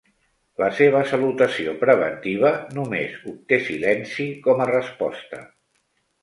La seva salutació preventiva només obté silenci com a resposta.